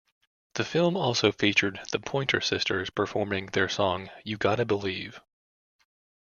The film also featured The Pointer Sisters performing their song "You Gotta Believe".